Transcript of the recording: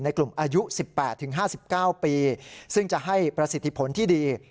กลุ่มอายุ๑๘๕๙ปีซึ่งจะให้ประสิทธิผลที่ดี